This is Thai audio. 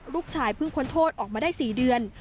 ลูกชายเพิ่งพ้นโทษออกมาได้๔เดือน